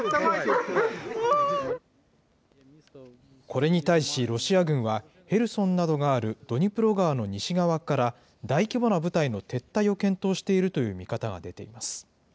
これに対し、ロシア軍はヘルソンなどがあるドニプロ川の西側から大規模な部隊の撤退を検討しているという見方が出ています。